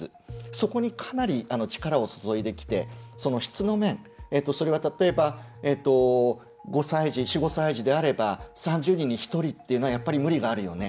そこに、かなり力を注いできて質の面、それは例えば５歳児、４５歳児であれば３０人に１人っていうのはやっぱり無理があるよね